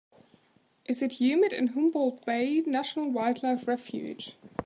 is it humid in Humboldt Bay National Wildlife Refuge